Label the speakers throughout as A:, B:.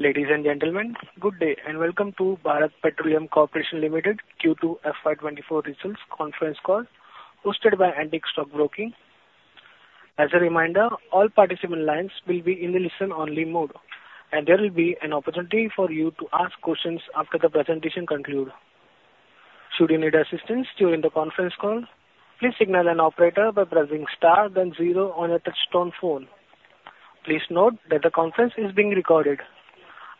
A: Ladies and gentlemen, good day, and welcome to Bharat Petroleum Corporation Limited Q2 FY24 results conference call, hosted by Antique Stock Broking. As a reminder, all participant lines will be in a listen-only mode, and there will be an opportunity for you to ask questions after the presentation conclude. Should you need assistance during the conference call, please signal an operator by pressing star then zero on your touchtone phone. Please note that the conference is being recorded.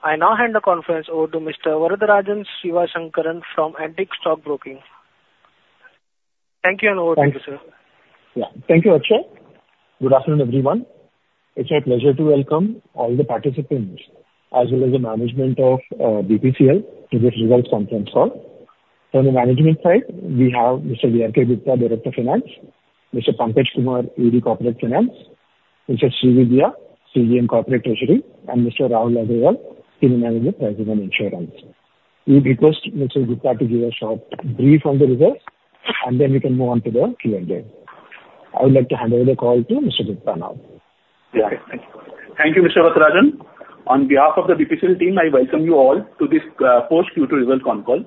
A: I now hand the conference over to Mr. Varatharajan Sivasankaran from Antique Stock Broking. Thank you, and over to you, sir.
B: Thank you. Yeah. Thank you, Akshay. Good afternoon, everyone. It's my pleasure to welcome all the participants, as well as the management of BPCL to this results conference call. From the management side, we have Mr. V.R.K. Gupta, Director of Finance; Mr. Pankaj Kumar, ED Corporate Finance; Mrs. Srividya, CGM Corporate Treasury; and Mr. Rahul Agrawal, Senior Manager, Pricing and Insurance. We request Mr. Gupta to give a short brief on the results, and then we can move on to the Q&A. I would like to hand over the call to Mr. Gupta now.
C: Yeah. Thank you, Mr. Varatharajan. On behalf of the BPCL team, I welcome you all to this post Q2 result con call.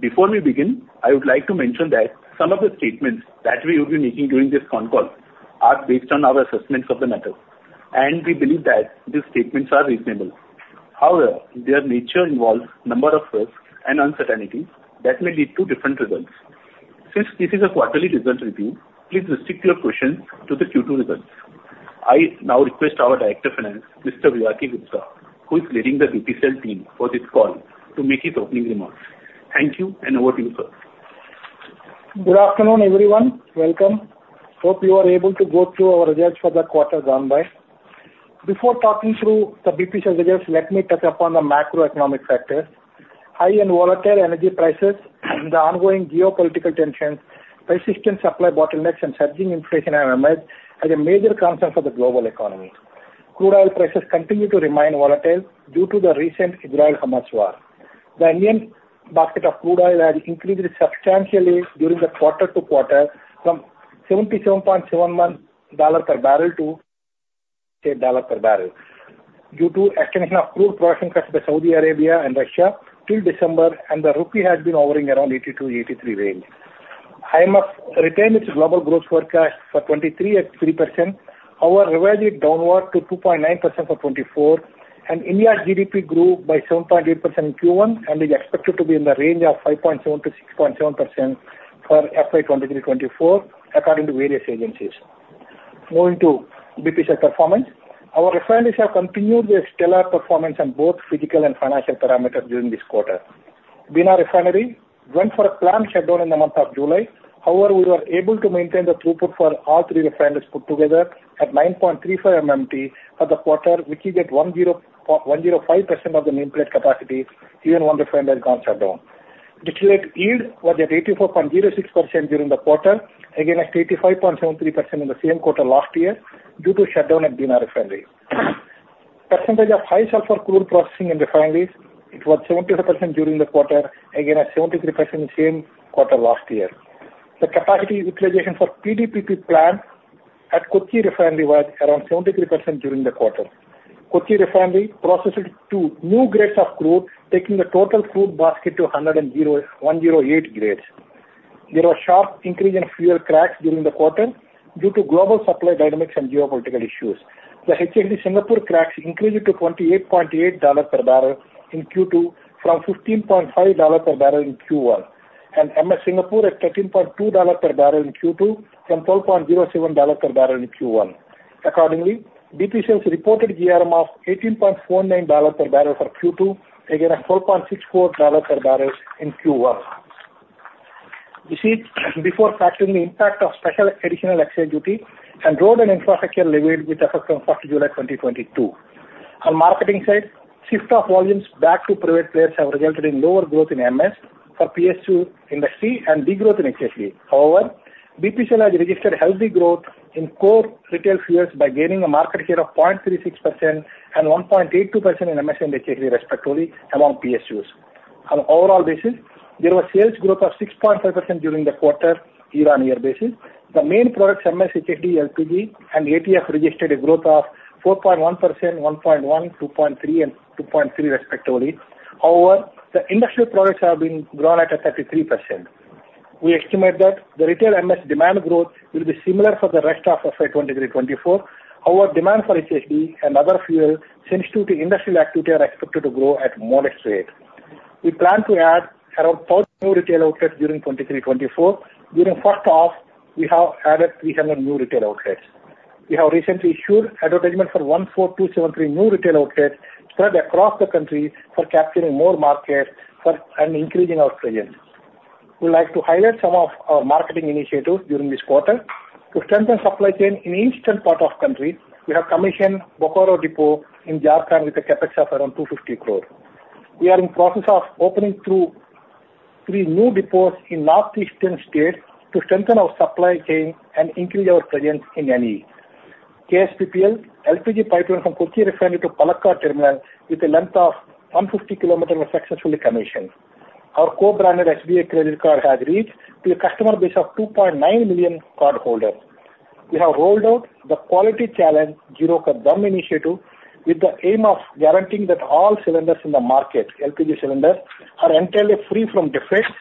C: Before we begin, I would like to mention that some of the statements that we will be making during this con call are based on our assessments of the matter, and we believe that these statements are reasonable. However, their nature involves number of risks and uncertainties that may lead to different results. Since this is a quarterly results review, please restrict your questions to the Q2 results. I now request our Director of Finance, Mr. V.R.K. Gupta, who is leading the BPCL team for this call, to make his opening remarks. Thank you, and over to you, sir.
D: Good afternoon, everyone. Welcome. Hope you are able to go through our results for the quarter gone by. Before talking through the BPCL results, let me touch upon the macroeconomic factors. High and volatile energy prices, the ongoing geopolitical tensions, persistent supply bottlenecks, and surging inflation have emerged as a major concern for the global economy. Crude oil prices continue to remain volatile due to the recent Israel-Hamas war. The Indian basket of crude oil had increased substantially during the quarter to quarter, from $77.71 per barrel to $8 per barrel. Due to extension of crude production cuts by Saudi Arabia and Russia till December, and the rupee has been hovering around 82-83 range. IMF retained its global growth forecast for 2023 at 3%, however, revised it downward to 2.9% for 2024, and India's GDP grew by 7.8% in Q1, and is expected to be in the range of 5.7%-6.7% for FY 2023-24, according to various agencies. Moving to BPCL performance, our refineries have continued their stellar performance on both physical and financial parameters during this quarter. Bina Refinery went for a planned shutdown in the month of July. However, we were able to maintain the throughput for all three refineries put together at 9.35 MMT for the quarter, which is at 105% of the nameplate capacity, even one refinery gone shutdown. Distillate yield was at 84.06% during the quarter, against 85.73% in the same quarter last year, due to shutdown at Bina Refinery. Percentage of high sulfur crude processing in refineries, it was 70% during the quarter, against 73% in the same quarter last year. The capacity utilization for PDPP plant at Kochi Refinery was around 73% during the quarter. Kochi Refinery processed 2 new grades of crude, taking the total crude basket to 108 grades. There was sharp increase in fuel cracks during the quarter due to global supply dynamics and geopolitical issues. The HSD Singapore cracks increased to $28.8 per barrel in Q2, from $15.5 per barrel in Q1, and MS Singapore at $13.2 per barrel in Q2 from $12.07 per barrel in Q1. Accordingly, BPCL's reported GRM as $18.49 per barrel for Q2, against $12.64 per barrel in Q1. This is before factoring the impact of special additional excise duty and road and infrastructure levy with effect from July 1, 2022. On marketing side, shift of volumes back to private players have resulted in lower growth in MS for PSU industry and degrowth in HSD. However, BPCL has registered healthy growth in core retail fuels by gaining a market share of 0.36% and 1.82% in MS and HSD, respectively, among PSUs. On overall basis, there was sales growth of 6.5% during the quarter year-on-year basis. The main products, MS, HSD, LPG and ATF, registered a growth of 4.1%, 1.1%, 2.3%, and 2.3%, respectively. However, the industrial products have been grown at a 33%. We estimate that the retail MS demand growth will be similar for the rest of FY 2023-24. However, demand for HSD and other fuels sensitive to industrial activity are expected to grow at modest rate. We plan to add around 1,000 new retail outlets during 2023-24. During first half, we have added 300 new retail outlets. We have recently issued advertisement for 14,273 new retail outlets spread across the country for capturing more market for, and increasing our presence. We'd like to highlight some of our marketing initiatives during this quarter. To strengthen supply chain in eastern part of country, we have commissioned Bokaro depot in Jharkhand with a CapEx of around 250 crore. We are in process of opening 2-3 new depots in northeastern states to strengthen our supply chain and increase our presence in NE. KSPPL LPG pipeline from Kochi Refinery to Palakkad Terminal with a length of 150 km was successfully commissioned. Our co-branded SBI credit card has reached to a customer base of 2.9 million cardholders.... We have rolled out the Quality Challenge Zero initiative with the aim of guaranteeing that all cylinders in the market, LPG cylinders, are entirely free from defects.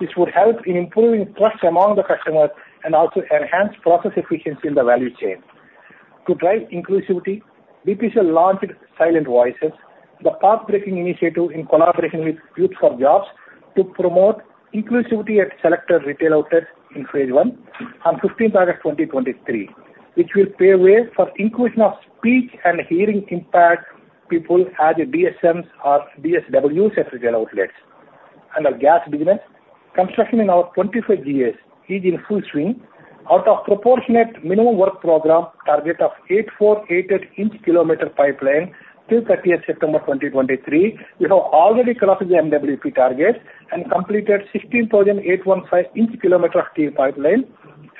D: This would help in improving trust among the customers and also enhance process efficiency in the value chain. To drive inclusivity, BPCL launched Silent Voices, the pathbreaking initiative in collaboration with Youth4Jobs, to promote inclusivity at selected retail outlets in phase one on 15th August 2023, which will pave way for inclusion of speech and hearing impact people as DSMs or DSWs at retail outlets. Our gas business, construction in our 25 GAs is in full swing. Out of proportionate minimum work program, target of 8,488 inch Kilometer pipeline, till 30th September 2023, we have already crossed the MWP target and completed 16,815 inch kilometer of steel pipeline,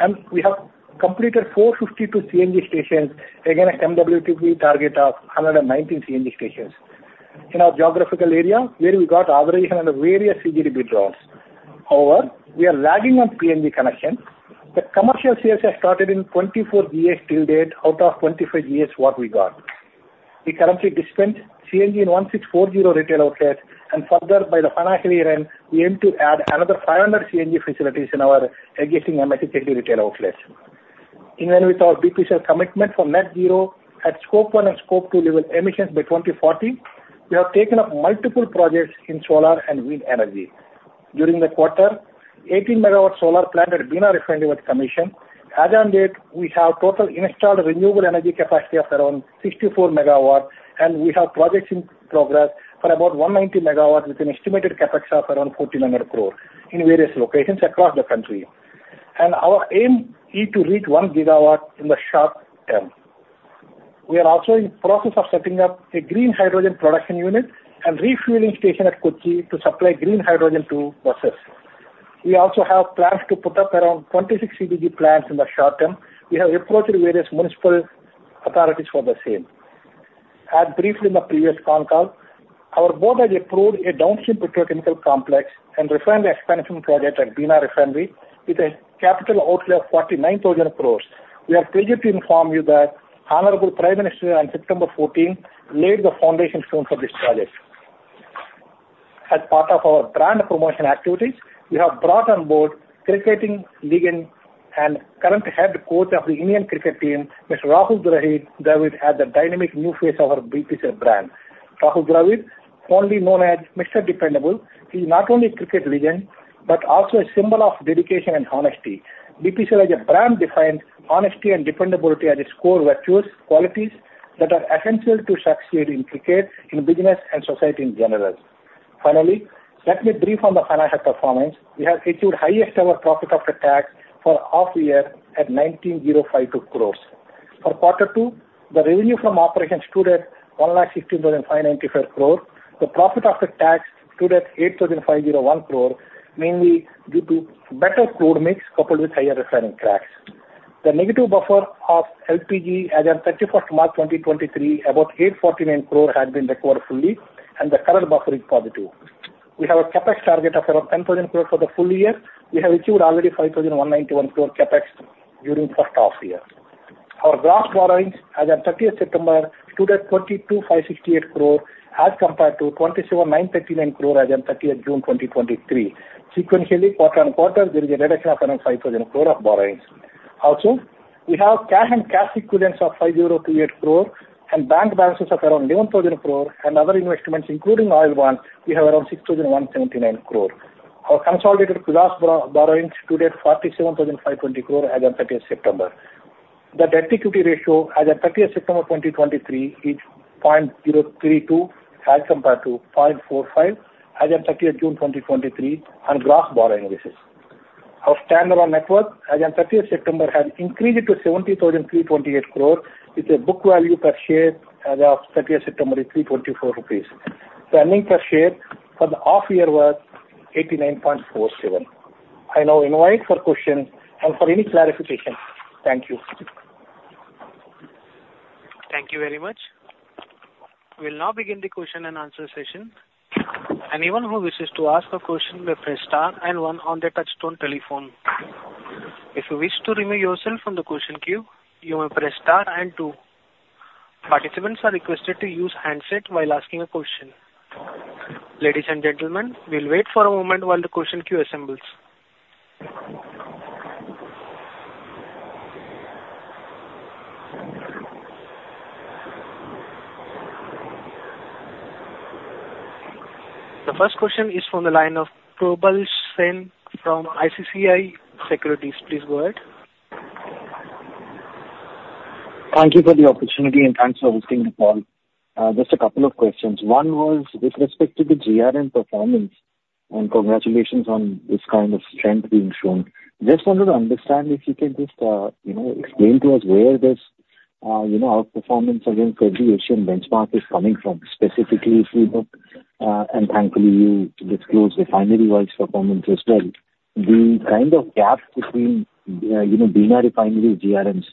D: and we have completed 452 CNG stations, against MWP target of 119 CNG stations. In our geographical area, where we got operation under various CGD bids rounds. However, we are lagging on PNG connection. The commercial CGS started in 24 GAs till date, out of 25 GAs what we got. We currently dispense CNG in 1,640 retail outlets, and further, by the financial year-end, we aim to add another 500 CNG facilities in our existing MS/HSD retail outlets. In line with our BPCL commitment for net zero at Scope 1 and Scope 2 level emissions by 2040, we have taken up multiple projects in solar and wind energy. During the quarter, 18 MW solar plant at Bina Refinery was commissioned. As on date, we have total installed renewable energy capacity of around 64 MW, and we have projects in progress for about 190 MW, with an estimated CapEx of around 1,400 crore in various locations across the country. Our aim is to reach 1 GW in the short term. We are also in the process of setting up a green hydrogen production unit and refueling station at Kochi to supply green hydrogen to buses. We also have plans to put up around 26 CBG plants in the short term. We have approached various municipal authorities for the same. As briefed in the previous con call, our board has approved a downstream petrochemical complex and refined the expansion project at Bina Refinery with a capital outlay of 49,000 crore. We are pleased to inform you that honorable Prime Minister on September 14th, laid the foundation stone for this project. As part of our brand promotion activities, we have brought on board cricketing legend and current head coach of the Indian cricket team, Mr. Rahul Dravid, as the dynamic new face of our BPCL brand. Rahul Dravid, fondly known as Mr. Dependable, he's not only a cricket legend, but also a symbol of dedication and honesty. BPCL, as a brand, defines honesty and dependability as its core virtues, qualities that are essential to succeed in cricket, in business, and society in general. Finally, let me brief on the financial performance. We have achieved highest ever profit after tax for half year at 19,052 crore. For quarter two, the revenue from operations stood at 1,65,995 crore. The profit after tax stood at 8,501 crore, mainly due to better crude mix, coupled with higher refining cracks. The negative buffer of LPG as at 31 March 2023, about 849 crore had been recovered fully, and the current buffer is positive. We have a CapEx target of around 10,000 crore for the full year. We have achieved already 5,191 crore CapEx during first half year. Our gross borrowings as at 30th September stood at 42,568 crore, as compared to 27,939 crore as at 30th June 2023. Sequentially, quarter-on-quarter, there is a reduction of around 5,000 crore of borrowings. Also, we have cash and cash equivalents of 5,028 crore and bank balances of around 11,000 crore and other investments, including oil bonds, we have around 6,179 crore. Our consolidated plus borrowings stood at 47,520 crore as at 30th September. The debt equity ratio as at 30th September 2023 is 0.032, as compared to 0.45 as at 30th June 2023, on gross borrowing basis. Our standalone network as at 30th September has increased to 70,328 crore, with a book value per share as of 30th September is 324 rupees. The earnings per share for the half year was 89.47. I now invite for questions and for any clarification. Thank you.
A: Thank you very much. We'll now begin the question and answer session. Anyone who wishes to ask a question, may press star and one on their touchtone telephone. If you wish to remove yourself from the question queue, you may press star and two. Participants are requested to use handset while asking a question. Ladies and gentlemen, we'll wait for a moment while the question queue assembles. The first question is from the line of Probal Sen from ICICI Securities. Please go ahead.
E: Thank you for the opportunity, and thanks for hosting the call. Just a couple of questions. One was with respect to the GRM performance, and congratulations on this kind of strength being shown. Just wanted to understand if you can just, you know, explain to us where this, you know, outperformance against Asian benchmark is coming from. Specifically, if you look, and frankly, you disclose refinery-wise performance as well, the kind of gap between, you know, Bina Refinery GRMs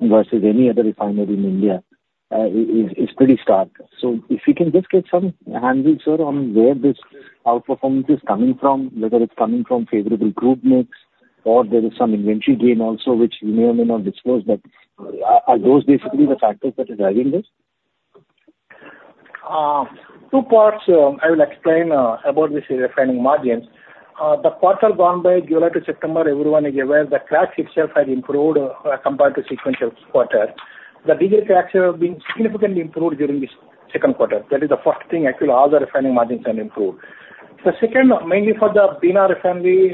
E: versus any other refinery in India?... is, is pretty stark. So if we can just get some handle, sir, on where this outperformance is coming from, whether it's coming from favorable group mix or there is some inventory gain also, which you may or may not disclose, but are, are those basically the factors that are driving this?
D: Two parts, I will explain about this refining margins. The quarter gone by July to September, everyone is aware the crack itself has improved, compared to sequential quarter. The diesel cracks have been significantly improved during this second quarter. That is the first thing, actually, all the refining margins have improved. The second, mainly for the Bina Refinery,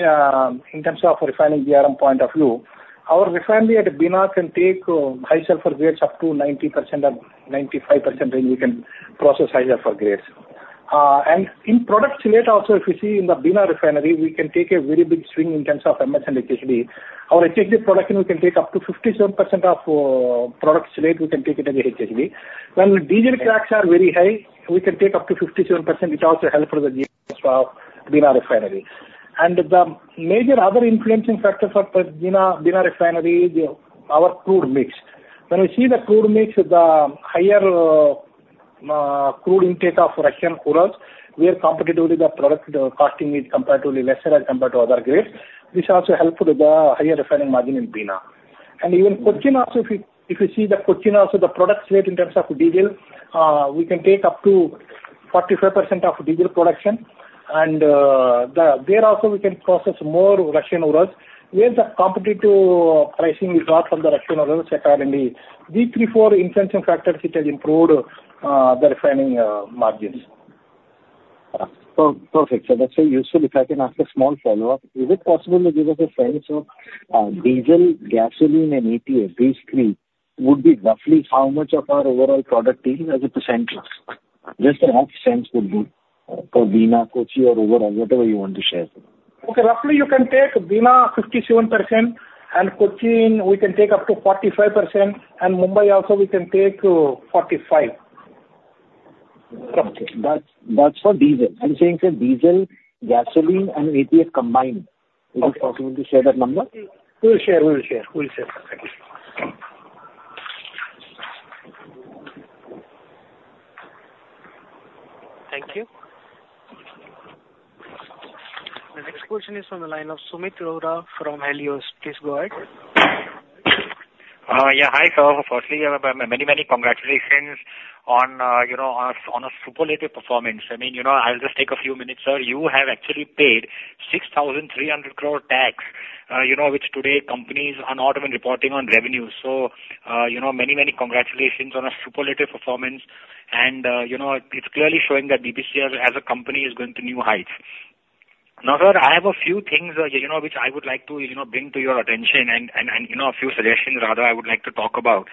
D: in terms of refining GRM point of view, our refinery at Bina can take high sulfur grades up to 90% or 95%, and we can process higher for grades. And in product slate also, if you see in the Bina Refinery, we can take a very big swing in terms of MS and HSD. Our HSD production, we can take up to 57% of product slate, we can take it as HSD. When diesel cracks are very high, we can take up to 57%, which also helpful to the of Bina Refinery. The major other influencing factors for the Bina Refinery is our crude mix. When we see the crude mix, the higher crude intake of Russian Urals, we are competitive with the product costing is comparatively lesser as compared to other grades. This also helped with the higher refining margin in Bina. Even Cochin also, if you see the Cochin also, the product slate in terms of diesel, we can take up to 45% of diesel production, and there also we can process more Russian Urals, where the competitive pricing we got from the Russian Urals accordingly. These three, four influential factors, it has improved the refining margins.
E: So perfect, sir. That's very useful. If I can ask a small follow-up, is it possible to give us a sense of, diesel, gasoline and ATF, these three, would be roughly how much of our overall product is as a percentage? Just rough sense would do for Bina, Kochi or overall, whatever you want to share.
D: Okay, roughly you can take Bina 57%, and Kochi we can take up to 45%, and Mumbai also we can take 45.
E: Okay. That's, that's for diesel. I'm saying, sir, diesel, gasoline, and ATF combined.
D: Okay.
E: Is it possible to share that number?
D: We'll share. We'll share. We'll share. Thank you.
A: Thank you. The next question is from the line of Sumit Rohra from Helios. Please go ahead.
F: Yeah, hi, sir. Firstly, many, many congratulations on, you know, on a, on a superlative performance. I mean, you know, I'll just take a few minutes, sir. You have actually paid 6,300 crore tax, you know, which today companies are not even reporting on revenue. So, you know, many, many congratulations on a superlative performance. And, you know, it's clearly showing that BPCL as a company, is going to new heights. Now, sir, I have a few things, you know, which I would like to, you know, bring to your attention and, and, and, you know, a few suggestions rather, I would like to talk about.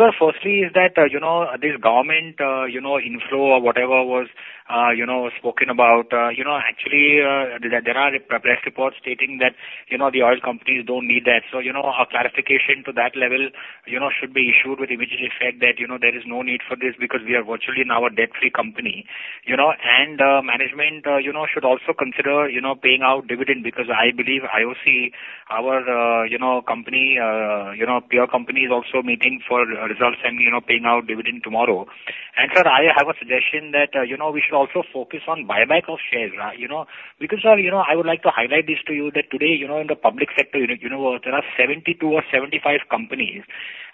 F: Sir, firstly is that, you know, this government, you know, inflow or whatever was, you know, spoken about, you know, actually, there, there are press reports stating that, you know, the oil companies don't need that. So, you know, a clarification to that level, you know, should be issued with immediate effect that, you know, there is no need for this because we are virtually now a debt-free company, you know? And, management, you know, should also consider, you know, paying out dividend because I believe IOC, our, you know, company, you know, peer company, is also meeting for results and, you know, paying out dividend tomorrow. Sir, I have a suggestion that, you know, we should also focus on buyback of shares, you know, because, sir, you know, I would like to highlight this to you that today, you know, in the public sector, you know, there are 72 or 75 companies,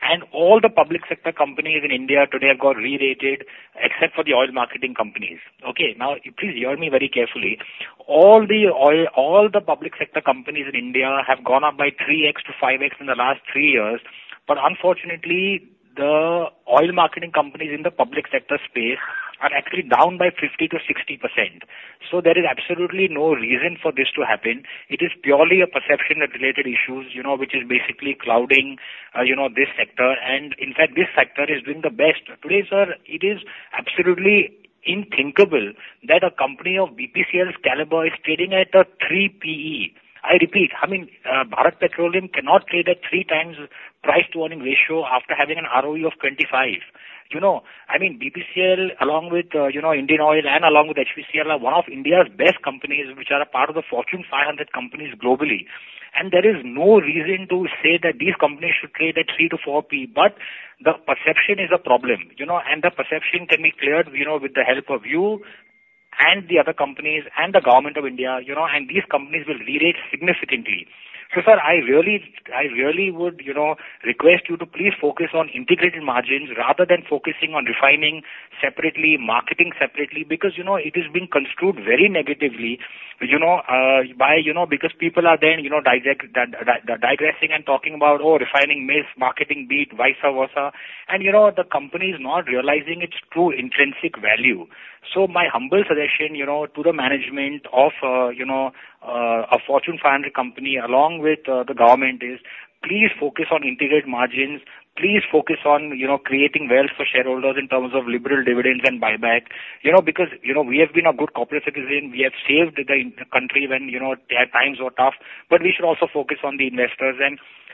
F: and all the public sector companies in India today have got re-rated except for the oil marketing companies. Okay, now, please hear me very carefully. All the oil-- All the public sector companies in India have gone up by 3x-5x in the last 3 years. Unfortunately, the oil marketing companies in the public sector space are actually down by 50%-60%. There is absolutely no reason for this to happen. It is purely a perception and related issues, you know, which is basically clouding, you know, this sector. In fact, this sector is doing the best. Today, sir, it is absolutely unthinkable that a company of BPCL's caliber is trading at a 3 PE. I repeat, I mean, Bharat Petroleum cannot trade at 3 times price-to-earnings ratio after having an ROE of 25. You know, I mean, BPCL, along with, you know, Indian Oil and along with HPCL, are one of India's best companies, which are a part of the Fortune 500 companies globally. And there is no reason to say that these companies should trade at 3-4 PE, but the perception is a problem, you know, and the perception can be cleared, you know, with the help of you and the other companies and the government of India, you know, and these companies will re-rate significantly. So sir, I really, I really would, you know, request you to please focus on integrated margins rather than focusing on refining separately, marketing separately, because, you know, it is being construed very negatively, you know, by, you know, because people are then, you know, digressing and talking about, oh, refining miss, marketing beat, vice versa. You know, the company is not realizing its true intrinsic value. So my humble suggestion, you know, to the management of, you know, a Fortune 500 company, along with the government, is please focus on integrated margins. Please focus on, you know, creating wealth for shareholders in terms of liberal dividends and buyback. You know, because, you know, we have been a good corporate citizen. We have saved the country when, you know, at times were tough, but we should also focus on the investors.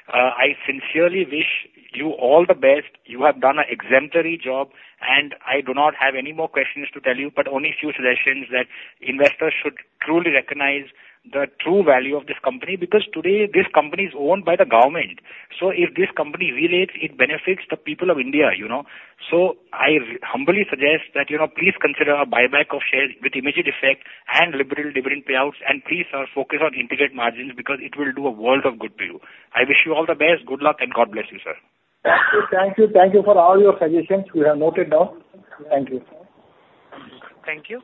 F: I sincerely wish you all the best. You have done an exemplary job.... I do not have any more questions to tell you, but only a few suggestions that investors should truly recognize the true value of this company, because today this company is owned by the government. So if this company relates, it benefits the people of India, you know. So I humbly suggest that, you know, please consider a buyback of shares with immediate effect and liberal dividend payouts, and please, sir, focus on integrated margins, because it will do a world of good to you. I wish you all the best. Good luck and God bless you, sir. Thank you, thank you, thank you for all your suggestions. We have noted down. Thank you.
A: Thank you.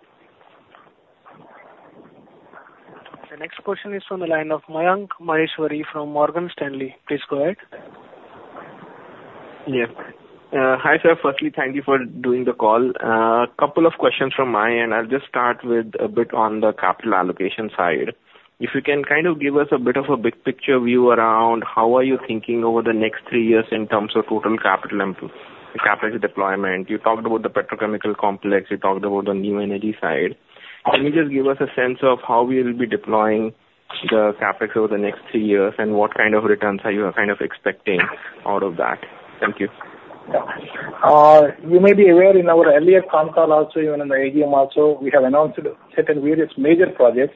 A: The next question is from the line of Mayank Maheshwari from Morgan Stanley. Please go ahead.
G: Yeah. Hi, sir. Firstly, thank you for doing the call. A couple of questions from my end. I'll just start with a bit on the capital allocation side. If you can kind of give us a bit of a big picture view around how are you thinking over the next three years in terms of total capital and capital deployment. You talked about the petrochemical complex, you talked about the new energy side. Can you just give us a sense of how we will be deploying the CapEx over the next three years, and what kind of returns are you kind of expecting out of that? Thank you.
D: You may be aware in our earlier con call also, even in the AGM also, we have announced certain various major projects.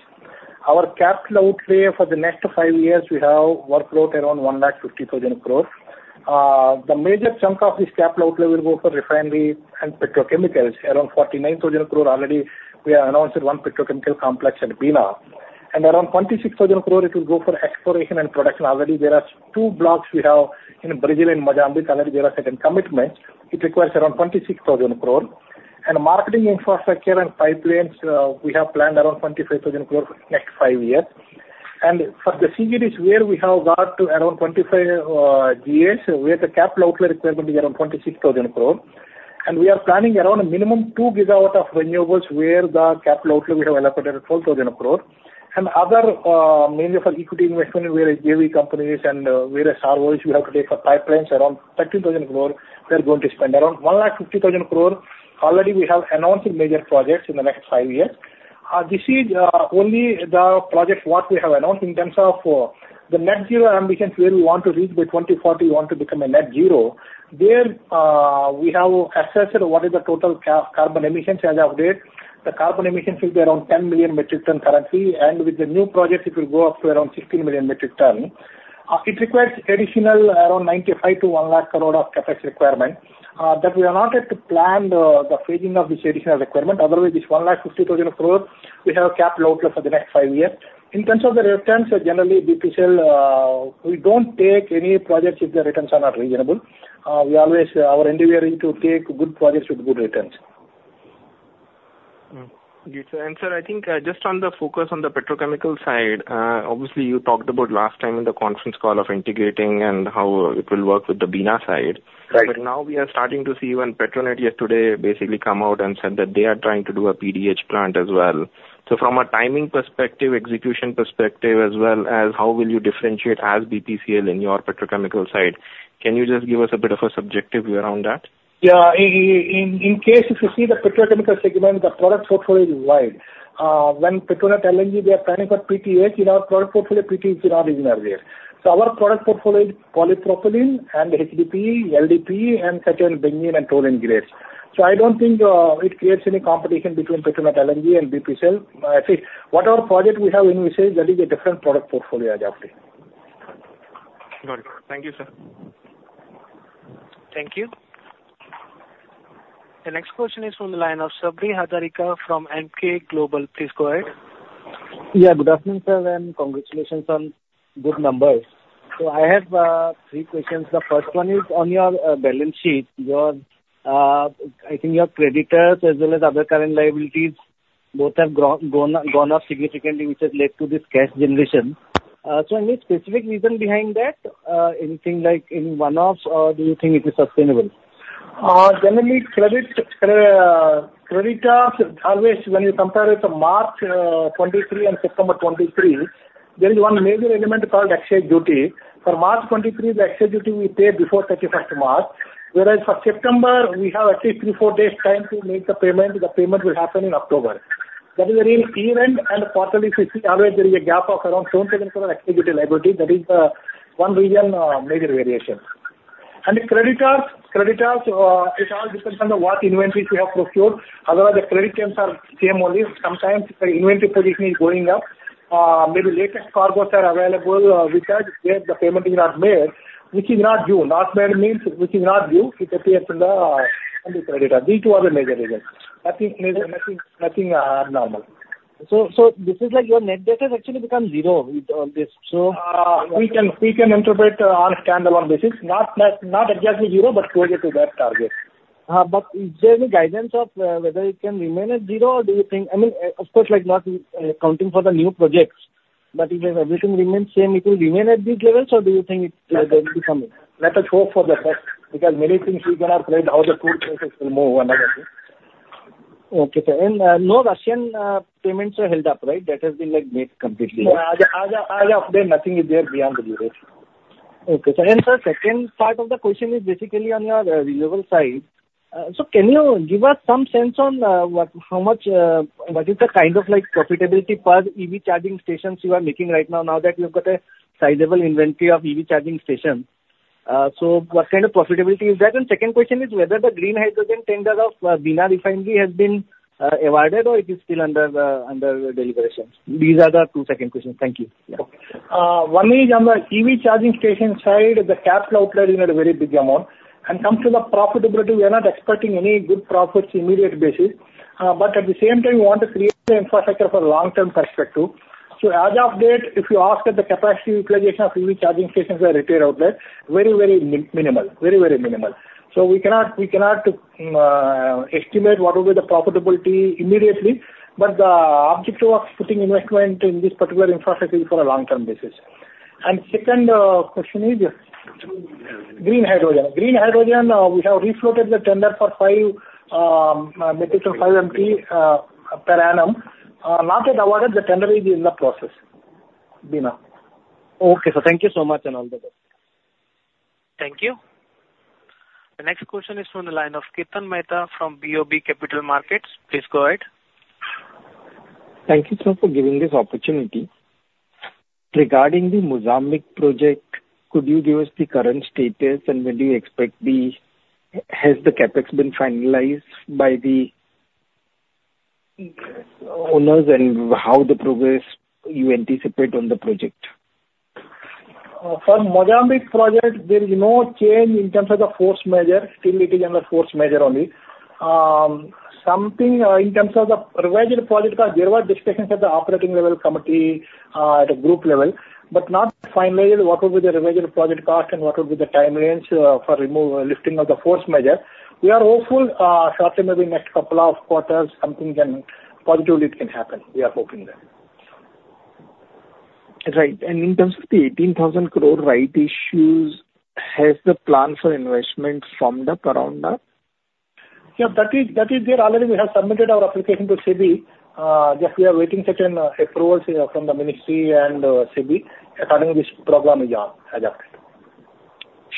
D: Our capital outlay for the next 5 years, we have workload around 150,000 crore. The major chunk of this capital outlay will go for refinery and petrochemicals, around 49,000 crore. Already, we have announced one petrochemical complex at Bina. Around 26,000 crore, it will go for exploration and production. Already, there are 2 blocks we have in Brazil, in Mozambique. Already, there are certain commitments. It requires around 26,000 crore. Marketing infrastructure and pipelines, we have planned around 25,000 crore for the next 5 years. For the CGDs, where we have got to around 25 GAs, where the capital outlay requirement is around 26,000 crore. We are planning around a minimum 2 gigawatt of renewables, where the capital outlay we have allocated at 4,000 crore. Other, mainly for equity investment, where JV companies and various ROEs we have to take for pipelines, around 13,000 crore, we are going to spend. Around 1,50,000 crore, already we have announced major projects in the next five years. This is only the projects what we have announced in terms of the net zero ambitions, where we want to reach by 2040, we want to become a net zero. There, we have assessed what is the total carbon emissions as of date. The carbon emissions will be around 10 million metric ton currently, and with the new projects, it will go up to around 16 million metric ton. It requires additional around 95,000 crore-100,000 crore of CapEx requirement. That we have not yet planned, the phasing of this additional requirement. Otherwise, this 150,000 crore, we have a capital outlay for the next five years. In terms of the returns, generally, BPCL, we don't take any projects if the returns are not reasonable. We always are endeavoring to take good projects with good returns.
G: Yes, sir. Sir, I think, just on the focus on the petrochemical side, obviously, you talked about last time in the conference call of integrating and how it will work with the Bina side.
D: Right.
G: But now we are starting to see when Petronet yesterday basically come out and said that they are trying to do a PDH plant as well. So from a timing perspective, execution perspective, as well as how will you differentiate as BPCL in your petrochemical side? Can you just give us a bit of a subjective view around that?
D: Yeah, in case if you see the petrochemical segment, the product portfolio is wide. When Petronet LNG, they are planning for PDH, in our product portfolio, PDH is not even there. So our product portfolio is polypropylene and HDPE, LDPE, and certain benzene and toluene grades. So I don't think it creates any competition between Petronet LNG and BPCL. See, whatever project we have in BPCL, that is a different product portfolio adopted.
G: Got it. Thank you, sir.
A: Thank you. The next question is from the line of Sabri Hazarika from Emkay Global. Please go ahead.
H: Yeah, good afternoon, sir, and congratulations on good numbers. I have three questions. The first one is on your balance sheet. I think your creditors as well as other current liabilities, both have grown, gone up significantly, which has led to this cash generation. Any specific reason behind that? Anything like in one-offs, or do you think it is sustainable? Generally, creditors, always, when you compare it to March 2023 and September 2023, there is one major element called excise duty. For March 2023, the excise duty we paid before 31st March, whereas for September, we have at least three, four days time to make the payment. The payment will happen in October. That is a real event, and quarterly, we see always there is a gap of around 7%-8% activity liability.
D: That is the one reason, major variation. And the creditors, it all depends on what inventories we have procured. Otherwise, the credit terms are same only. Sometimes, the inventory position is going up. Maybe latest cargoes are available, which are, where the payment is not made, which is not due. Not made means which is not due, it appears in the, in the credit. These two are the major reasons. Nothing major, abnormal.
H: So this is like your net debt has actually become zero with all this.
D: We can interpret on a standalone basis, not exactly zero, but closer to that target.
H: But is there any guidance of whether it will remain at zero, or do you think...I mean, of course, like not accounting for the new projects, but if everything remains same, it will remain at this level. Do you think it, there will be something?
D: Let us hope for the best, because many things we cannot predict how the food prices will move and other things.
H: Okay, sir. No Russian payments are held up, right?
D: That has been, like, made completely. As of today, nothing is there beyond the due date.
H: Okay, sir. Sir, second part of the question is basically on your renewable side. Can you give us some sense on what, how much, what is the kind of, like, profitability per EV charging stations you are making right now, now that you've got a sizable inventory of EV charging stations?... So what kind of profitability is that? Second question is whether the green hydrogen tenders of Bina Refinery has been awarded or it is still under the deliberations? These are the two second questions. Thank you.
D: One is on the EV charging station side, the capital outlay is a very big amount, and comes to the profitability, we are not expecting any good profits immediate basis. But at the same time, we want to create the infrastructure for long-term perspective. So as of date, if you ask that the capacity utilization of EV charging stations are retail outlet, very, very minimal. Very, very minimal. So we cannot estimate what will be the profitability immediately, but the objective of putting investment in this particular infrastructure is for a long-term basis.
H: And second question is? Green hydrogen.
I: Green hydrogen. Green hydrogen, we have refloated the tender for 5 meters of 5 MT per annum. Not yet awarded, the tender is in the process. Bina.
H: Okay, sir. Thank you so much, and all the best.
A: Thank you. The next question is from the line of Kirtan Mehta from BOB Capital Markets. Please go ahead.
J: Thank you, sir, for giving this opportunity. Regarding the Mozambique project, could you give us the current status, and when do you expect? Has the CapEx been finalized by the owners, and how the progress you anticipate on the project?
D: For Mozambique project, there is no change in terms of the force majeure. Still, it is under force majeure only. Something, in terms of the revised project cost, there were discussions at the operating level committee, at a group level, but not finalized what would be the revised project cost and what would be the time range, for remove-lifting of the force majeure. We are hopeful, shortly, maybe next couple of quarters, something can, positively it can happen. We are hoping that.
J: Right. In terms of the 18,000 crore rights issue, has the plan for investment firmed up around that?
D: Yeah, that is there already. We have submitted our application to SEBI. Just, we are waiting certain approvals from the ministry and SEBI. According to this, program is on as of now.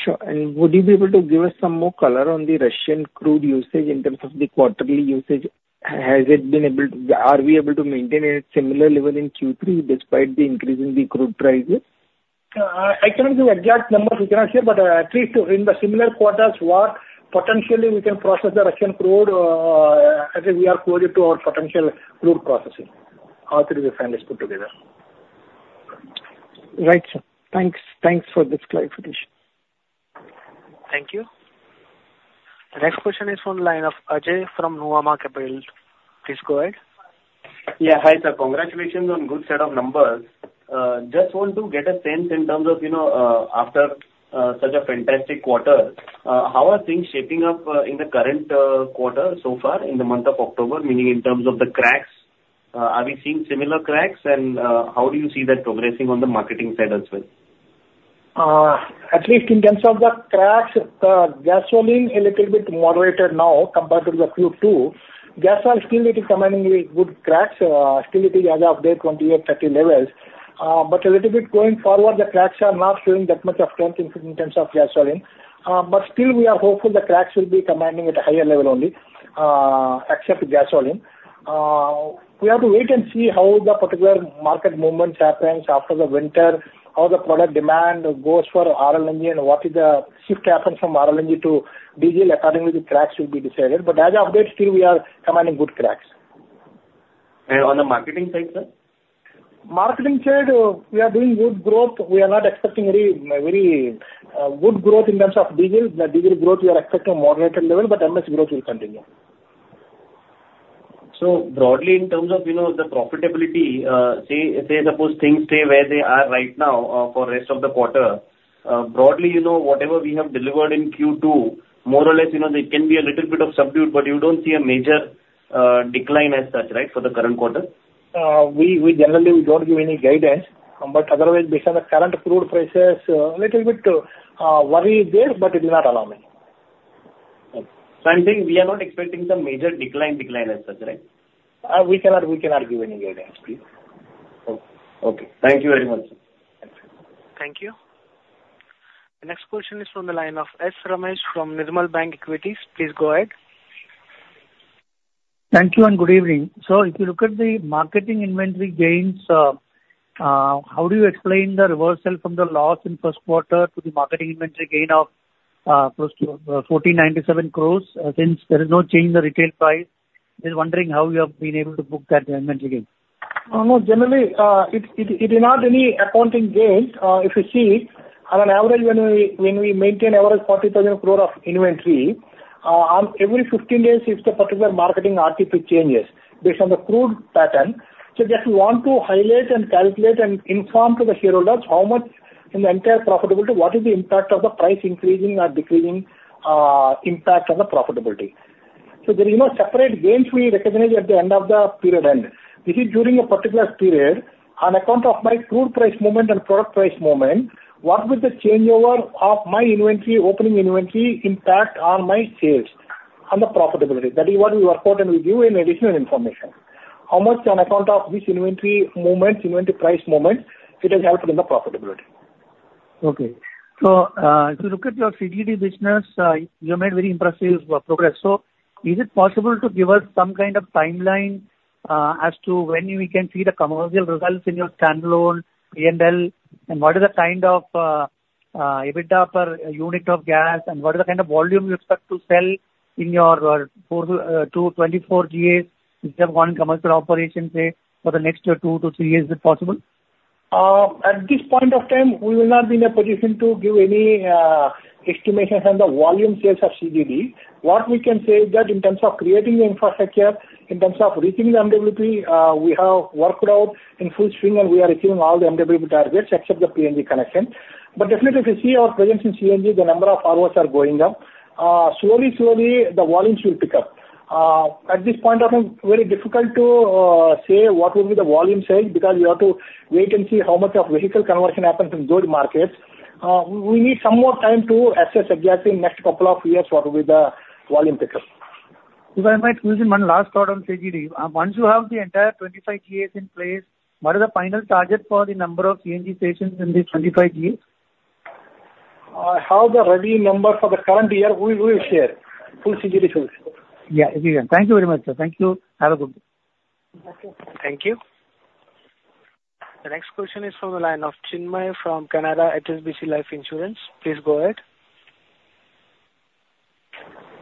J: Sure. And would you be able to give us some more color on the Russian crude usage in terms of the quarterly usage? Are we able to maintain a similar level in Q3 despite the increase in the crude prices?
D: I cannot give exact numbers, we cannot say, but at least in the similar quarters, what potentially we can process the Russian crude, as we are close to our potential crude processing, all three refineries put together.
J: Right, sir. Thanks. Thanks for this clarification.
A: Thank you. The next question is from the line of Ajay from Nuvama Capital. Please go ahead.
K: Yeah. Hi, sir. Congratulations on good set of numbers. Just want to get a sense in terms of, you know, after such a fantastic quarter, how are things shaping up in the current quarter so far in the month of October? Meaning in terms of the cracks, are we seeing similar cracks? And how do you see that progressing on the marketing side as well?
D: At least in terms of the cracks, the gasoline a little bit moderated now compared to the Q2. Gasoline still it is commanding good cracks, still it is as of date, 28-30 levels. But a little bit going forward, the cracks are not showing that much of strength in terms of gasoline. But still, we are hopeful the cracks will be commanding at a higher level only, except for gasoline. We have to wait and see how the particular market movements happens after the winter, how the product demand goes for RLNG, and what is the shift happens from RLNG to diesel, accordingly, the cracks will be decided. But as of date, still, we are commanding good cracks.
K: On the marketing side, sir?
D: Marketing side, we are doing good growth. We are not expecting very, very good growth in terms of diesel. The diesel growth, we are expecting a moderated level, but MS growth will continue.
K: Broadly, in terms of, you know, the profitability, say, suppose things stay where they are right now for rest of the quarter. Broadly, you know, whatever we have delivered in Q2, more or less, you know, there can be a little bit of subdued, but you don't see a major decline as such, right, for the current quarter?
D: We generally don't give any guidance, but otherwise, based on the current crude prices, little bit worry is there, but it will not allow me.
K: I'm saying we are not expecting some major decline, decline as such, right?
D: We cannot, we cannot give any guidance, please.
K: Okay. Thank you very much.
A: Thank you. The next question is from the line of S Ramesh from Nirmal Bang Equities. Please go ahead.
L: Thank you, and good evening. If you look at the marketing inventory gains, how do you explain the reversal from the loss in first quarter to the marketing inventory gain of 1,497 crore, since there is no change in the retail price? Just wondering how you have been able to book that inventory gain.
D: No, generally, it is not any accounting gains. If you see, on an average, when we maintain average 40,000 crore of inventory, on every 15 days, it's the particular marketing RTP changes based on the crude pattern. Just want to highlight and calculate and inform to the shareholders how much in the entire profitability, what is the impact of the price increasing or decreasing, impact on the profitability. There is no separate gains we recognize at the end of the period end. This is during a particular period, on account of my crude price movement and product price movement, what is the changeover of my inventory, opening inventory impact on my sales and the profitability? That is what we work out, and we give you an additional information. How much, on account of this inventory movement, inventory price movement, it has helped in the profitability?
L: Okay. So, if you look at your CTD business, you made very impressive progress. So is it possible to give us some kind of timeline? as to when we can see the commercial results in your standalone P&L, and what is the kind of EBITDA per unit of gas, and what is the kind of volume you expect to sell in your 4, 2, 24 GAs, which have gone commercial operation, say, for the next two to three years, if possible?
D: At this point of time, we will not be in a position to give any estimation on the volume sales of CGD. What we can say is that in terms of creating the infrastructure, in terms of reaching the MWP, we have worked out in full swing, and we are achieving all the MWP targets except the PNG connection. But definitely, if you see our presence in CNG, the number of ROs are going up. Slowly, slowly, the volumes will pick up. At this point of time, very difficult to say what will be the volume sales, because you have to wait and see how much of vehicle conversion happens in those markets. We need some more time to assess exactly in next couple of years, what will be the volume picture.
L: If I might squeeze in one last thought on CGD. Once you have the entire 25 GAs in place, what is the final target for the number of CNG stations in the 25 GAs?
D: I have the ready number for the current year. We will share. Full CGD solution.
L: Yeah, if you can. Thank you very much, sir. Thank you. Have a good one.
A: Thank you. The next question is from the line of Chinmay from Canara HSBC Life Insurance. Please go ahead.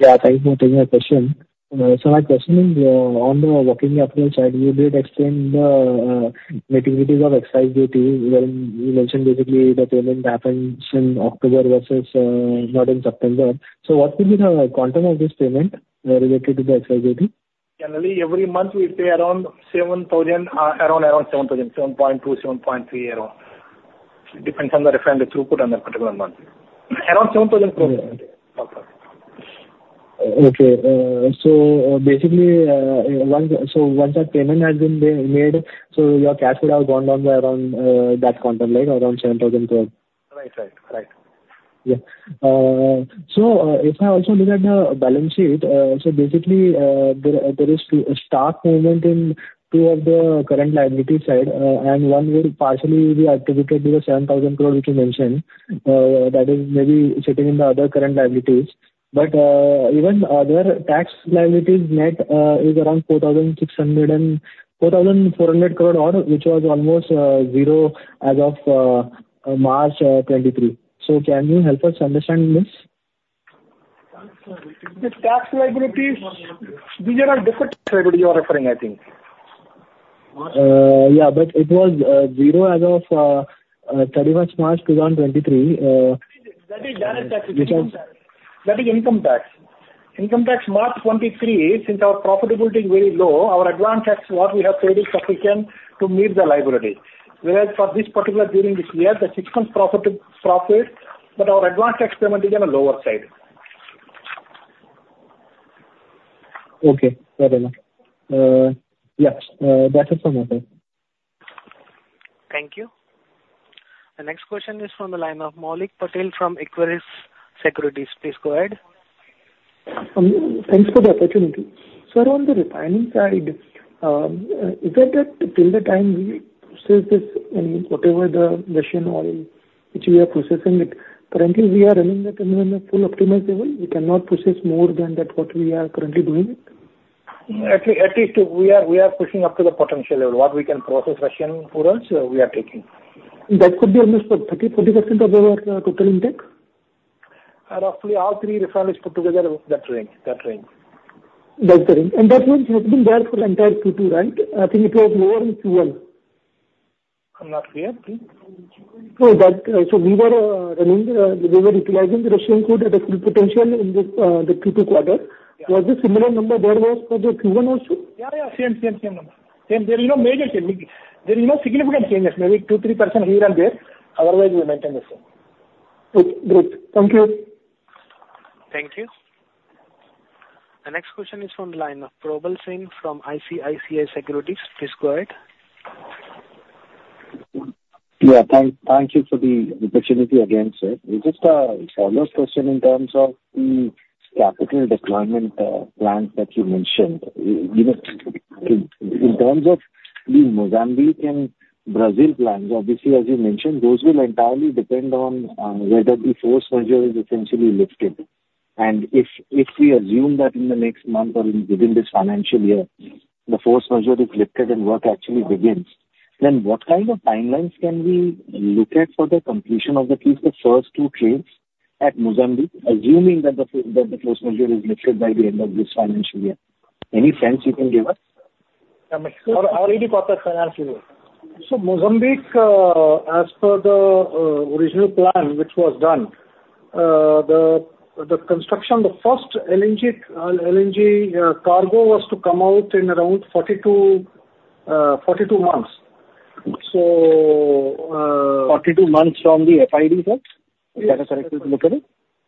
M: Yeah, thank you for taking my question. So my question is, on the working capital side, you did explain the maturities of excise duty, when you mentioned basically the payment happens in October versus not in September. So what will be the quantum of this payment related to the excise duty?
D: Generally, every month we pay around 7,000 crore, around, around 7,000, 7.2, 7.3, around. Depends on the refined throughput on that particular month. Around 7,000 crore.
M: Okay. So basically, once that payment has been made, so your cash would have gone down by around that quantum, like around 7,000 crore?
D: Right. Right. Right.
M: Yeah. So, if I also look at the balance sheet, so basically, there is a stock movement in two of the current liability side, and one will partially be attributable to the 7,000 crore which you mentioned. That is maybe sitting in the other current liabilities. But, even other tax liabilities net is around 4,600 crore and 4,400 crore, which was almost zero as of March 2023. So can you help us understand this?
D: The tax liabilities, these are all different liability you are referring, I think.
M: Yeah, but it was zero as of 31st March 2023.
D: That is direct tax, that is income tax. Income tax, March 2023, since our profitability is very low, our advance tax, what we have paid is sufficient to meet the liability. Whereas for this particular during this year, the six-month profit, profit, but our advance tax payment is on a lower side.
M: Okay, fair enough. Yes, that is from my side.
A: Thank you. The next question is from the line of Maulik Patel from Equirus Securities. Please go ahead.
N: Thanks for the opportunity. Sir, on the refining side, is that till the time we process this, I mean, whatever the Russian oil which we are processing it, currently we are running at full optimized level, we cannot process more than that, what we are currently doing it?
D: At least we are, we are pushing up to the potential level. What we can process Russian crude, we are taking.
N: That could be almost 30%-40% of our total intake?
D: Roughly all three refineries put together, that range, that range.
N: That range. That range has been there for the entire Q2, right? I think it was lower in Q1.
D: I'm not clear, please.
N: So that, so we were running, we were utilizing the Russian crude at a full potential in the Q2 quarter.
D: Yeah.
N: Was the similar number there was for the Q1 also?
D: Yeah, yeah, same, same, same number. Same, there is no major change. There is no significant changes, maybe 2, 3% here and there. Otherwise, we maintain the same.
N: Good. Great. Thank you.
A: Thank you. The next question is from the line of Prabal Sen from ICICI Securities. Please go ahead.
E: Yeah, thank you for the opportunity again, sir. It's just a follow-up question in terms of the capital deployment plans that you mentioned. You know, in terms of the Mozambique and Brazil plans, obviously, as you mentioned, those will entirely depend on whether the force majeure is essentially lifted. And if we assume that in the next month or within this financial year, the force majeure is lifted and work actually begins, then what kind of timelines can we look at for the completion of at least the first two trains at Mozambique, assuming that the force majeure is lifted by the end of this financial year? Any sense you can give us?
D: I already got the financial year.
O: So Mozambique, as per the original plan which was done, the construction, the first LNG cargo, was to come out in around 42 months. So,
E: 42 months from the FID date? Is that a correct way to look at it?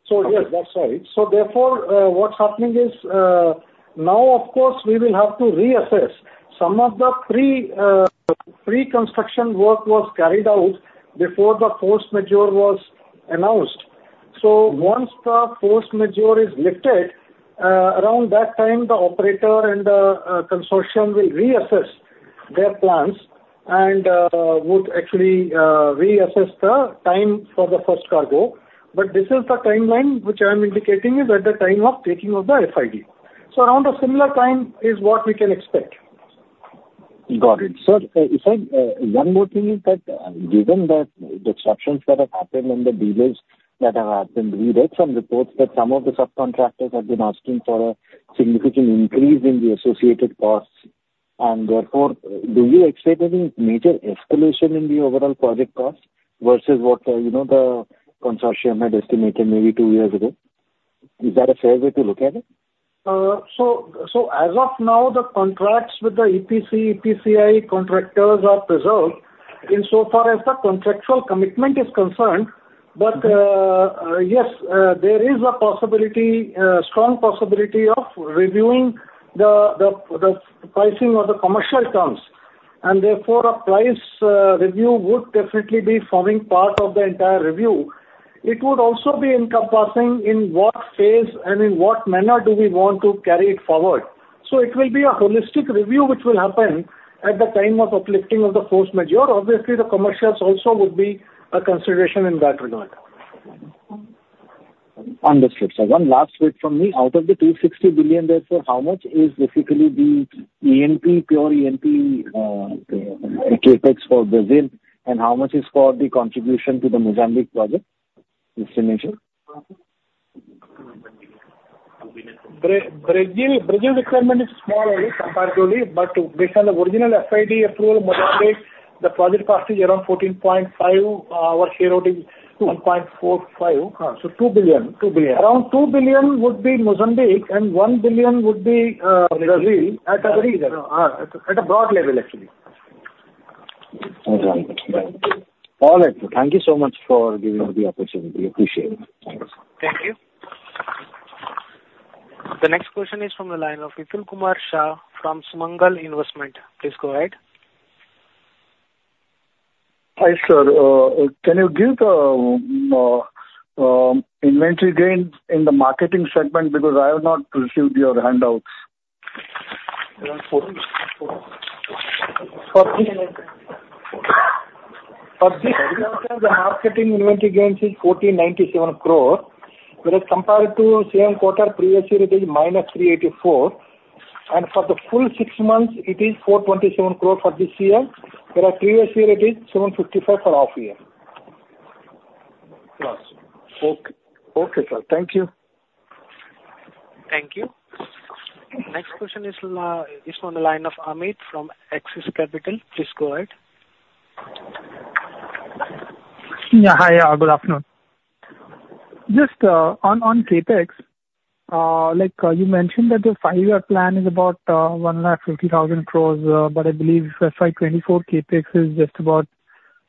O: So yes, that's right. So therefore, what's happening is, now of course, we will have to reassess. Some of the pre, pre-construction work was carried out before the force majeure was announced. So once the force majeure is lifted, around that time, the operator and the, consortium will reassess their plans and, would actually, reassess the time for the first cargo. But this is the timeline which I'm indicating is at the time of taking of the FID. So around a similar time is what we can expect.
E: Got it. Sir, you said, one more thing is that given that the disruptions that have happened and the delays that have happened, we read some reports that some of the subcontractors have been asking for a significant increase in the associated costs, and therefore, do you expect any major escalation in the overall project cost versus what, you know, the consortium had estimated maybe two years ago? Is that a fair way to look at it?
O: So as of now, the contracts with the EPC, EPCI contractors are preserved insofar as the contractual commitment is concerned. But yes, there is a possibility, strong possibility of reviewing the pricing or the commercial terms, and therefore, a price review would definitely be forming part of the entire review. It would also be encompassing in what phase and in what manner do we want to carry it forward. So it will be a holistic review, which will happen at the time of uplifting of the force majeure. Obviously, the commercials also would be a consideration in that regard.
E: Understood, sir. One last bit from me. Out of the 260 billion, therefore, how much is basically the E&P, pure E&P, CapEx for Brazil, and how much is for the contribution to the Mozambique project in signature?
D: Brazil requirement is small only, comparatively, but based on the original FID approval, Mozambique, the project cost is around 14.5 billion. Our shareholding, 1.45 billion. 2 billion. 2 billion. Around $2 billion would be Mozambique, and $1 billion would be Brazil. At a very, at a broad level, actually.
E: All right. Thank you so much for giving me the opportunity. Appreciate it. Thanks.
A: Thank you. The next question is from the line of Vipul Kumar Shah from Sumangal Investment. Please go ahead.
P: Hi, sir. Can you give the inventory gains in the marketing segment? Because I have not received your handouts.
D: For the marketing inventory gains is 1,497 crore, whereas compared to same quarter previous year, it is minus 384, and for the full six months, it is 427 crore for this year, whereas previous year it is 755 for half year.
P: Okay, sir. Thank you.
A: Thank you. Next question is on the line of Amit from Axis Capital. Please go ahead.
Q: Yeah. Hi, good afternoon. Just, on CapEx, like, you mentioned that the five-year plan is about 150,000 crore, but I believe FY 2024 CapEx is just about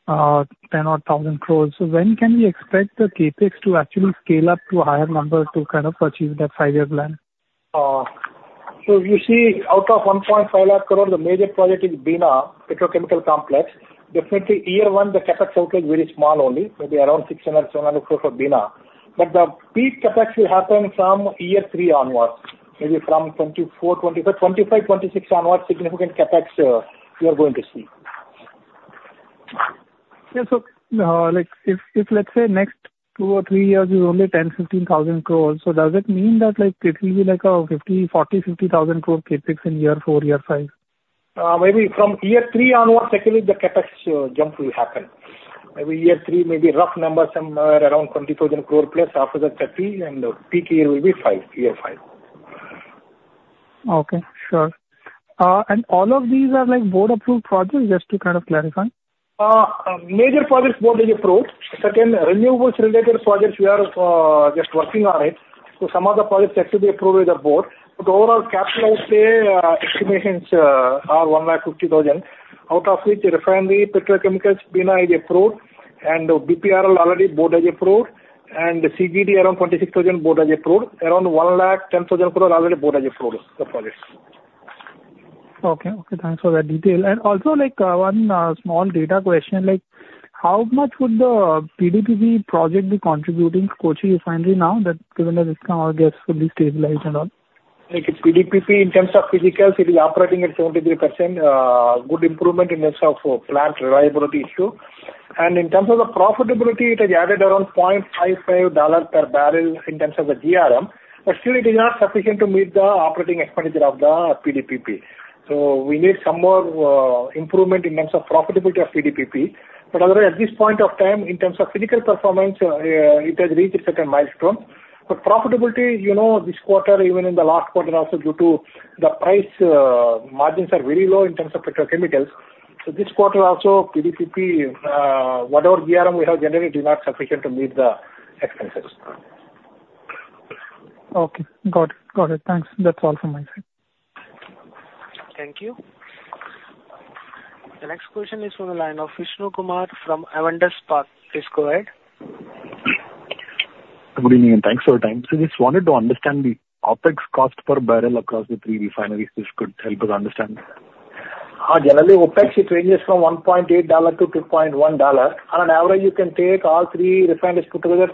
Q: 10,000 crore. So when can we expect the CapEx to actually scale up to higher numbers to kind of achieve that five-year plan?
D: You see, out of 150,000 crore, the major project is Bina petrochemical complex. Definitely, year one, the CapEx output is very small only, maybe around 600-700 crore for Bina. But the peak CapEx will happen from year three onwards, maybe from 2024, 2025. 2025, 2026 onwards, significant CapEx, you are going to see.
Q: Yes, okay. Like, if, if, let's say, next two or three years is only 10,000-15,000 crore, does it mean that, like, it will be like a 40,000-50,000 crore CapEx in year four, year five?
D: Maybe from year three onwards, actually, the CapEx jump will happen. Maybe year three, maybe rough numbers, somewhere around 20,000 crore plus, after that, 30, and peak year will be five, year five.
Q: Okay, sure. All of these are like board-approved projects, just to kind of clarify?
D: Major projects, board is approved. Certain renewables related projects, we are just working on it. So some of the projects yet to be approved with the board. But overall CapEx, say, estimations are 150,000 crore, out of which refinery, petrochemicals, Bina is approved, and BPRL already board has approved, and CGD, around 26,000 crore board has approved. Around 110,000 crore already board has approved the projects.
Q: Okay. Okay, thanks for that detail. And also, like, one small data question, like, how much would the PDPP project be contributing to Kochi Refinery now that given the discount, all gets fully stabilized and all?
D: Like PDPP, in terms of physicals, it is operating at 73%, good improvement in terms of plant reliability issue. In terms of the profitability, it has added around $0.55 per barrel in terms of the GRM, but still it is not sufficient to meet the operating expenditure of the PDPP. So we need some more improvement in terms of profitability of PDPP. But otherwise, at this point of time, in terms of physical performance, it has reached a certain milestone. But profitability, you know, this quarter, even in the last quarter also, due to the price, margins are very low in terms of petrochemicals. So this quarter also, PDPP, whatever GRM we have generated is not sufficient to meet the expenses.
Q: Okay, got it. Got it. Thanks. That's all from my side.
A: Thank you. The next question is from the line of Vishnu Kumar from Avendus Spark. Please go ahead.
R: Good evening, and thanks for your time. So just wanted to understand the OpEx cost per barrel across the three refineries? This could help us understand.
D: Generally, OpEx, it ranges from $1.8-$2.1. On an average, you can take all three refineries put together,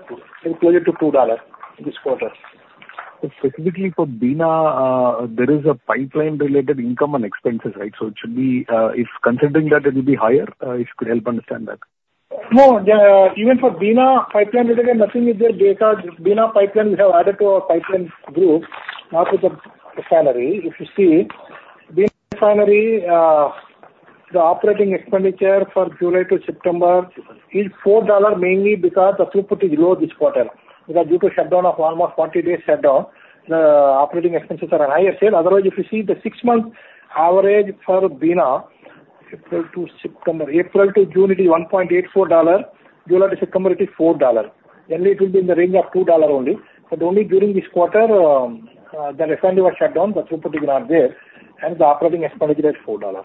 D: closer to $2 this quarter....
R: So specifically for Bina, there is a pipeline-related income and expenses, right? So it should be, if considering that it will be higher, if you could help understand that.
D: No, yeah, even for Bina pipeline related, nothing is there because Bina pipeline, we have added to our pipeline group, not with the refinery. If you see, Bina Refinery, the operating expenditure for July to September is $4, mainly because the throughput is low this quarter. Because due to shutdown of almost 40 days shutdown, the operating expenses are on higher side. Otherwise, if you see the six-month average for Bina, April to September—April to June, it is $1.84. July to September, it is $4. Generally, it will be in the range of $2 only. But only during this quarter, the refinery was shut down, the throughput is not there, and the operating expenditure is $4.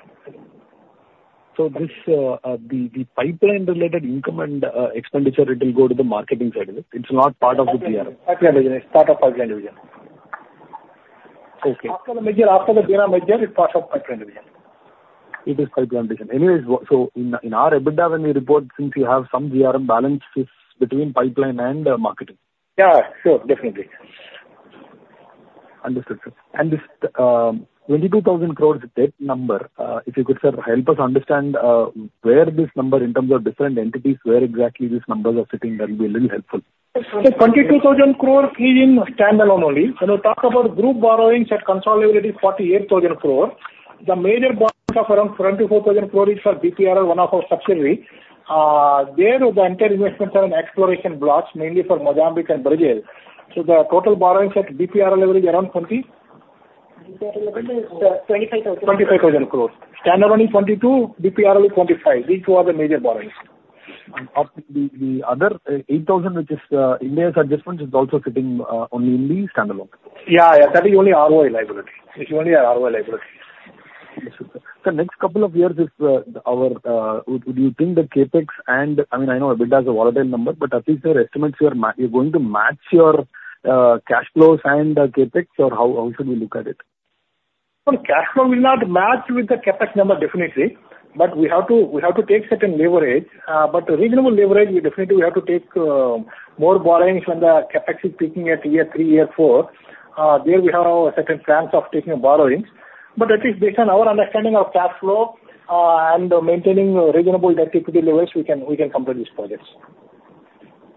R: So this, the pipeline-related income and expenditure, it will go to the marketing side, is it? It's not part of the GRM.
D: Pipeline division. It's part of pipeline division.
R: Okay.
D: After the merger, after the Bina merger, it's part of pipeline division.
R: It is pipeline division. Anyways, so in our EBITDA, when we report, since you have some GRM balance, it's between pipeline and marketing.
D: Yeah, sure. Definitely.
R: Understood, sir. And this 22,000 crore debt number, if you could, sir, help us understand where this number in terms of different entities, where exactly these numbers are sitting, that will be a little helpful.
D: So 22,000 crore is in standalone only. When we talk about group borrowings at consolidated, it is 48,000 crore. The major borrowing of around 24,000 crore is for BPRL, one of our subsidiary. There the entire investments are in exploration blocks, mainly for Mozambique and Brazil. So the total borrowings at BPRL level is around twenty- BPRL is 25,000. INR 25,000 crore. Standalone is INR 22,000 crore, BPRL is 25,000 crore. These two are the major borrowings.
R: Of the other 8,000, which is Ind AS adjustment, is also sitting only in the standalone?
D: Yeah, yeah. That is only ROU liability. It's only our ROU liability.
R: Sir, next couple of years is our... Do you think the CapEx and—I mean, I know EBITDA is a volatile number, but at least your estimates, you're going to match your cash flows and the CapEx, or how should we look at it?
D: Well, cash flow will not match with the CapEx number, definitely, but we have to, we have to take certain leverage. But reasonable leverage, we definitely we have to take, more borrowings when the CapEx is peaking at year three, year four. There we have a certain chance of taking borrowings, but at least based on our understanding of cash flow, and maintaining reasonable debt equity leverage, we can, we can complete these projects.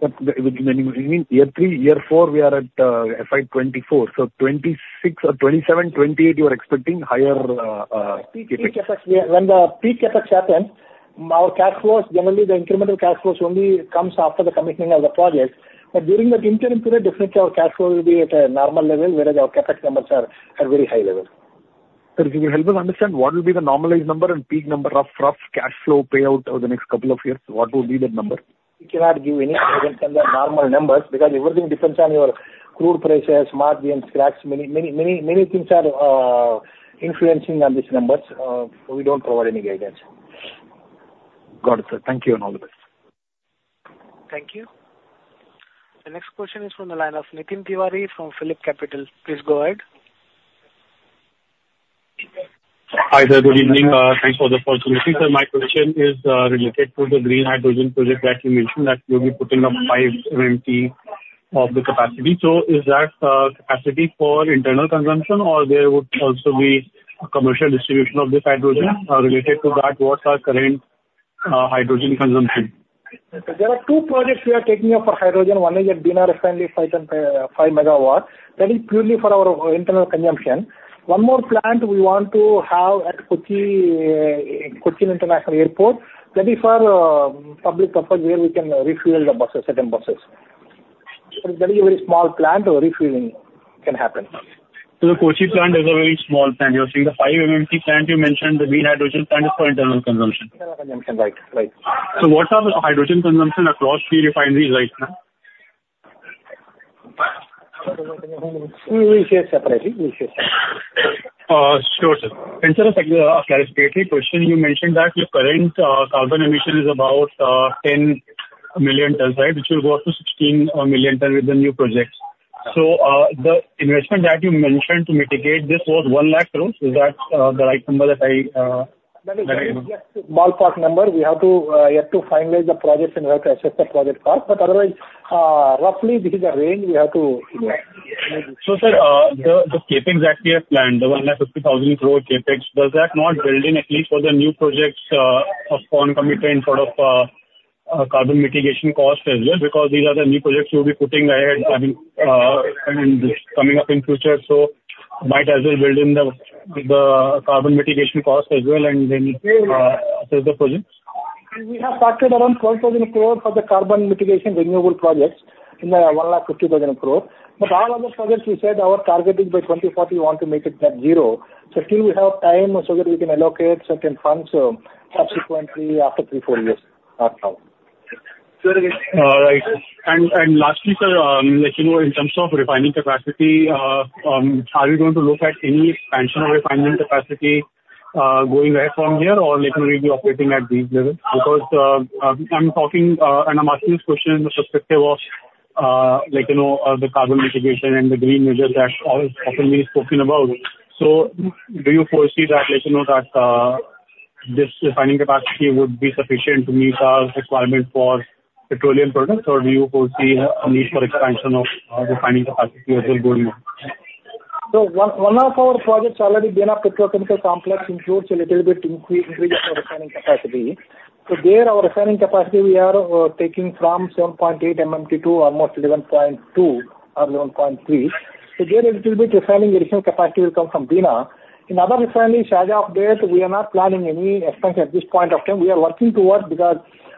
R: But when you, when you mean year three, year four, we are at FY 2024, so 2026 or 2027, 2028, you are expecting higher CapEx?
D: Peak CapEx, yeah. When the peak CapEx happens, our cash flows, generally the incremental cash flows only comes after the commissioning of the project. But during that interim period, definitely our cash flow will be at a normal level, whereas our CapEx numbers are very high level.
R: Sir, if you could help us understand what will be the normalized number and peak number of rough cash flow payout over the next couple of years, what would be that number?
D: We cannot give any guidance on the normal numbers, because everything depends on your crude prices, margin, cracks. Many, many, many, many things are influencing on these numbers. So we don't provide any guidance.
R: Got it, sir. Thank you and all the best.
A: Thank you. The next question is from the line of Nitin Tiwari from PhillipCapital. Please go ahead.
S: Hi, there. Good evening. Thanks for the opportunity. Sir, my question is related to the green hydrogen project that you mentioned, that you'll be putting up 5 MMT of the capacity. So is that capacity for internal consumption, or there would also be a commercial distribution of this hydrogen? Related to that, what's our current hydrogen consumption?
D: There are two projects we are taking up for hydrogen. One is at Bina Refinery, 5 megawatt. That is purely for our internal consumption. One more plant we want to have at Kochi, Kochi International Airport. That is for public purpose, where we can refuel the buses, certain buses. That is a very small plant, where refueling can happen.
S: The Kochi plant is a very small plant. You're saying the 5 MMTPA plant you mentioned, the green hydrogen plant is for internal consumption.
D: Internal consumption, right. Right.
S: What are the hydrogen consumption across three refineries right now?
D: We share separately. We share separately.
S: Sure, sir. And sir, a second, a clarification question. You mentioned that your current carbon emission is about 10 million tons, right? Which will go up to 16 million ton with the new projects. So, the investment that you mentioned to mitigate this was 100,000 crore. Is that the right number that I-
D: That is just ballpark number. We have to yet to finalize the projects and we have to assess the project cost. Otherwise, roughly this is the range we have to-
S: Sir, the CapEx that we have planned, the 150,000 crore CapEx, does that not build in at least for the new projects a forward commitment sort of carbon mitigation costs as well? Because these are the new projects you'll be putting ahead, I mean, and coming up in future, so might as well build in the carbon mitigation costs as well, and then assess the projects.
D: We have factored around 12,000 crore for the carbon mitigation renewable projects in the 150,000 crore. But all other projects, we said our target is by 2040, we want to make it Net Zero. So still we have time so that we can allocate certain funds, subsequently after 3, 4 years, not now.
S: Right. And lastly, sir, like, you know, in terms of refining capacity, are we going to look at any expansion of refining capacity, going ahead from here, or like we'll be operating at these levels? Because, I'm talking, and I'm asking this question in the perspective of, like, you know, the carbon mitigation and the green measures that are often being spoken about. So do you foresee that, let you know, that?... This refining capacity would be sufficient to meet our requirement for petroleum products, or do you foresee a need for expansion of our refining capacity as we go more?
D: One of our projects already, being a petrochemical complex, includes a little bit increase, increase in our refining capacity. There, our refining capacity, we are taking from 7.8 MMT to almost 11.2 or 11.3. There, a little bit refining additional capacity will come from Bina. In other refining, so far there, we are not planning any expansion at this point of time. We are working towards because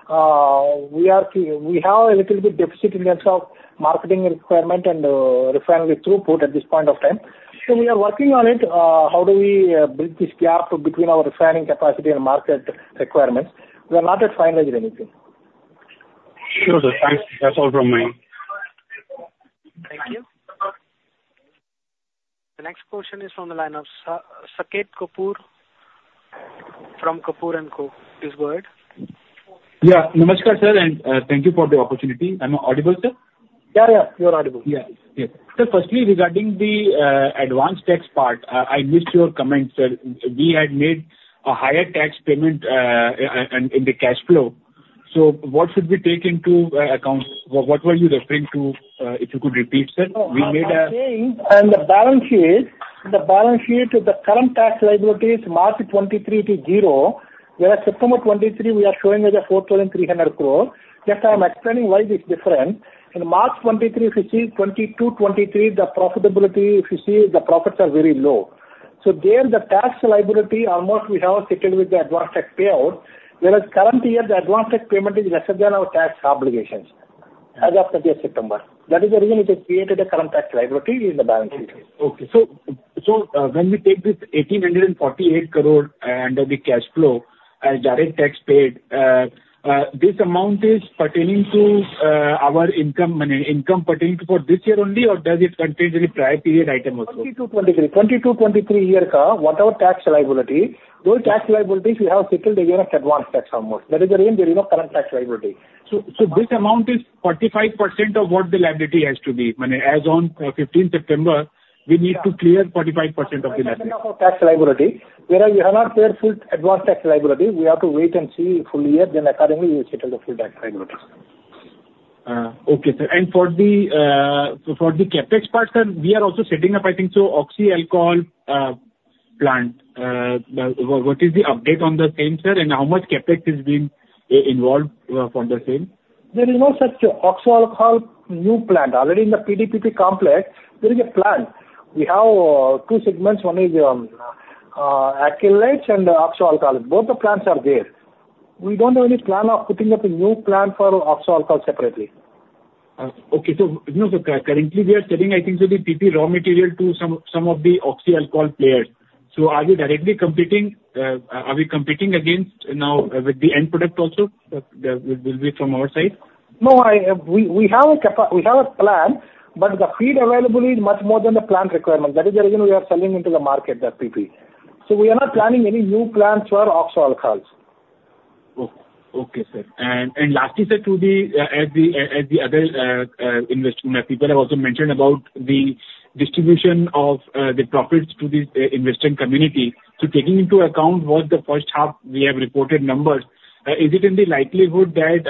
D: we see- we have a little bit deficit in terms of marketing requirement and refinery throughput at this point of time. We are working on it, how do we bridge this gap between our refining capacity and market requirements? We have not yet finalized anything.
S: Sure, sir. Thanks. That's all from me.
A: Thank you. The next question is on the line of Saket Kapoor from Kapoor and Co. Please go ahead.
T: Yeah, namaskar, sir, and thank you for the opportunity. Am I audible, sir?
I: Yeah, yeah, you are audible.
T: Yeah. Yeah. So firstly, regarding the advanced tax part, I missed your comment, sir. We had made a higher tax payment in the cash flow. So what should we take into account? What were you referring to? If you could repeat, sir. We made a-
D: I'm saying, on the balance sheet, the balance sheet of the current tax liability is March 2023 to 0, whereas September 2023, we are showing as 4,300 crore. Just I'm explaining why this is different. In March 2023, if you see 2022-2023, the profitability, if you see, the profits are very low. So there, the tax liability, almost we have settled with the advanced tax payout. Whereas current year, the advanced tax payment is lesser than our tax obligations as of this September. That is the reason it has created a current tax liability in the balance sheet.
T: Okay. So, when we take this 1,848 crore under the cash flow as direct tax paid, this amount is pertaining to our income, money, income pertaining to for this year only, or does it contain any prior period item also?
D: 2022, 2023. 2022-2023 year, whatever tax liability, those tax liabilities we have settled against advance tax almost. That is the reason there is no current tax liability.
T: So, this amount is 45% of what the liability has to be? As on 15th September, we need to clear 45% of the liability.
D: Tax liability, whereas you have not paid full advance tax liability. We have to wait and see full year, then accordingly, we settle the full tax liability.
T: Okay, sir. For the CapEx part, sir, we are also setting up, I think, oxo alcohol plant. What is the update on the same, sir, and how much CapEx is being involved from the same?
D: There is no such oxo alcohol new plant. Already in the PDPP complex, there is a plant. We have two segments. One is alkylates and oxo alcohol. Both the plants are there. We don't have any plan of putting up a new plant for oxo alcohol separately.
T: Okay. So, you know, currently we are selling, I think, the PP raw material to some of the oxo alcohol players. So are you directly competing? Are we competing against now with the end product also? Will be from our side?
D: No, I, we have a plant, but the feed available is much more than the plant requirement. That is the reason we are selling into the market, the PP. So we are not planning any new plants for oxo alcohols.
T: Okay, sir. And lastly, sir, as the other investing people have also mentioned about the distribution of the profits to the investing community. So taking into account what the first half we have reported numbers, is it in the likelihood that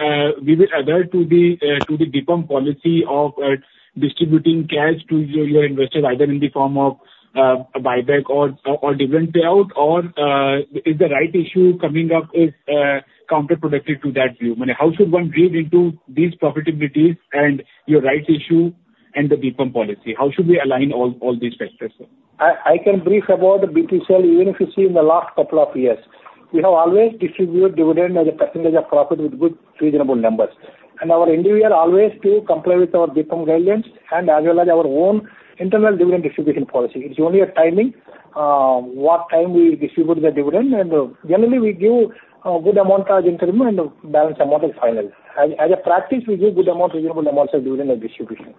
T: we will adhere to the DIPAM policy of distributing cash to your investors, either in the form of a buyback or dividend payout? Or is the rights issue coming up counterproductive to that view? I mean, how should one read into these profitabilities and your rights issue and the DIPAM policy? How should we align all these factors, sir?
D: I, I can brief about the BPCL. Even if you see in the last couple of years, we have always distributed dividend as a percentage of profit with good, reasonable numbers. Our endeavor always to comply with our DIPAM guidelines and as well as our own internal dividend distribution policy. It's only a timing, what time we distribute the dividend. Generally, we give a good amount as interim, and the balance amount is final. As, as a practice, we give good amount, reasonable amounts of dividend and distribution.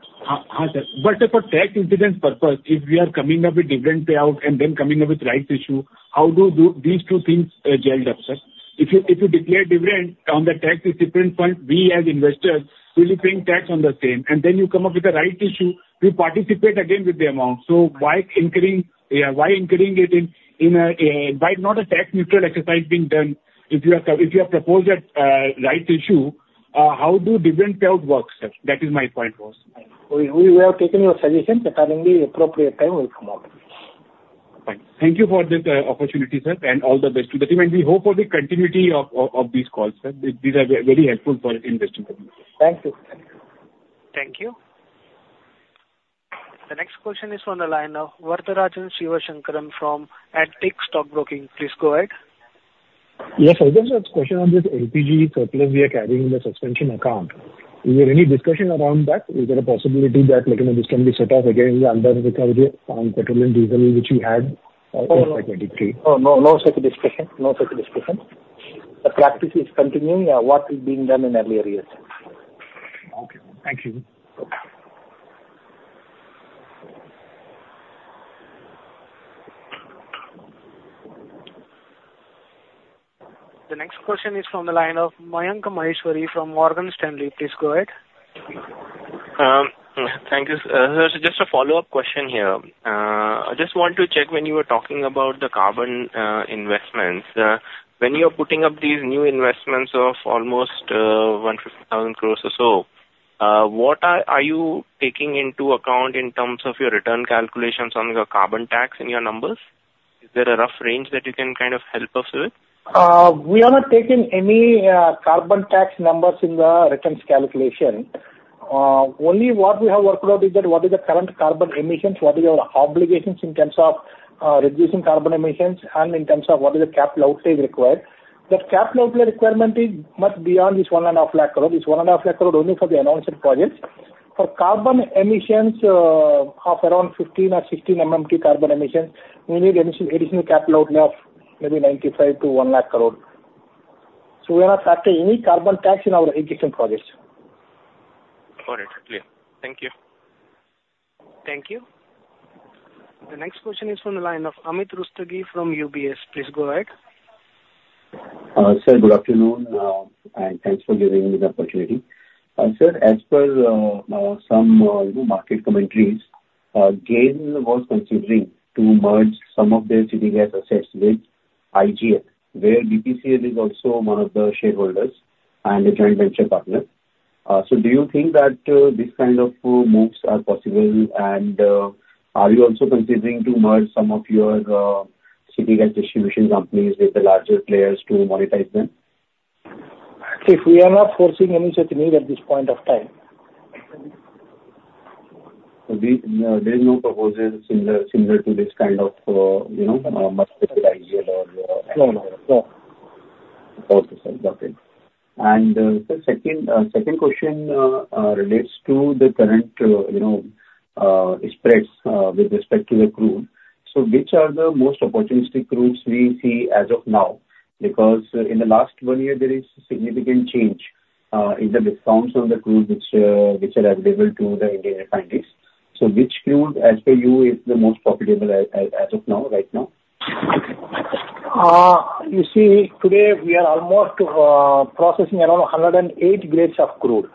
T: Sir, but for tax incident purpose, if we are coming up with dividend payout and then coming up with rights issue, how do these two things gelled up, sir? If you declare dividend on the tax different point, we as investors will pay tax on the same, and then you come up with the rights issue, we participate again with the amount. So why incurring it in a, why not a tax neutral exercise being done? If you have proposed a rights issue, how do different payout work, sir? That is my point was.
D: We have taken your suggestion. Accordingly, appropriate time will come up.
T: Fine. Thank you for this opportunity, sir, and all the best to the team. We hope for the continuity of these calls, sir. These are very helpful for investing community.
D: Thank you.
A: Thank you. The next question is on the line of Varatharajan Sivasankaran from Antique Stock Broking Limited. Please go ahead.
B: Yes, I just have a question on this LPG surplus we are carrying in the suspension account. Is there any discussion around that? Is there a possibility that, like, you know, this can be set off against the underrecovery on petrol and diesel, which we had in 2023?
D: Oh, no, no such discussion. No such discussion. The practice is continuing, what is being done in earlier years.
B: Okay. Thank you.
A: The next question is from the line of Mayank Maheshwari from Morgan Stanley. Please go ahead....
G: Thank you. So just a follow-up question here. I just want to check when you were talking about the carbon investments. When you are putting up these new investments of almost 150,000 crore or so, what are you taking into account in terms of your return calculations on your carbon tax in your numbers? Is there a rough range that you can kind of help us with?
D: We are not taking any, carbon tax numbers in the returns calculation. Only what we have worked out is that what is the current carbon emissions, what is our obligations in terms of, reducing carbon emissions and in terms of what is the capital outlay required. The capital outlay requirement is much beyond this 150,000 crore. This 150,000 crore only for the announced projects. For carbon emissions of around 15 or 16 MMT carbon emissions, we need additional capital outlay of maybe 95,000-100,000 crore. So we are not factoring any carbon tax in our existing projects.
G: Got it. Clear. Thank you.
A: Thank you. The next question is from the line of Amit Rustagi from UBS. Please go ahead.
U: Sir, good afternoon, and thanks for giving me the opportunity. Sir, as per some, you know, market commentaries, GAIL was considering to merge some of their city gas assets with IGL, where BPCL is also one of the shareholders and a joint venture partner. So do you think that this kind of moves are possible? And are you also considering to merge some of your city gas distribution companies with the larger players to monetize them?
D: We are not forcing any such need at this point of time.
U: So there, there is no proposals similar, similar to this kind of, you know, IGL or
D: No, no.
U: Okay, sir. Got it. And, sir, second question relates to the current, you know, spreads with respect to the crude. So which are the most opportunistic crudes we see as of now? Because in the last one year, there is significant change in the discounts on the crude, which are available to the Indian refineries. So which crude, as per you, is the most profitable as of now, right now?
D: You see, today we are almost processing around 108 grades of crude.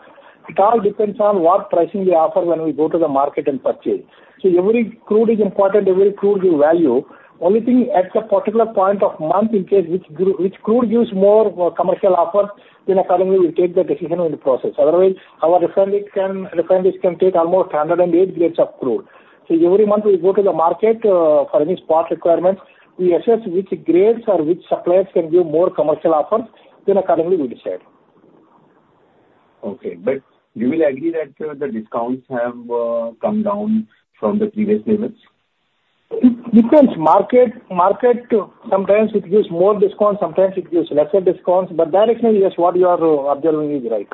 D: It all depends on what pricing they offer when we go to the market and purchase. So every crude is important, every crude will value. Only thing, at a particular point of month, in case which crude gives more commercial offers, then accordingly we take the decision on the process. Otherwise, our refineries can take almost 108 grades of crude. So every month we go to the market for any spot requirements. We assess which grades or which suppliers can give more commercial offers, then accordingly we decide.
U: Okay, but do you will agree that the discounts have come down from the previous levels?
D: It depends. Market, market, sometimes it gives more discounts, sometimes it gives lesser discounts, but directionally, yes, what you are observing is right.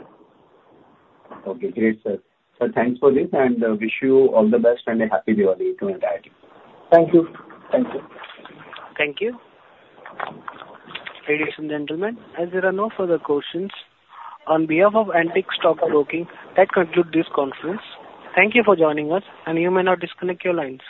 U: Okay, great, sir. Sir, thanks for this, and wish you all the best and a happy Diwali to you and your family.
D: Thank you. Thank you.
A: Thank you. Ladies and gentlemen, as there are no further questions, on behalf of Antique Stock Broking, that concludes this conference. Thank you for joining us, and you may now disconnect your lines.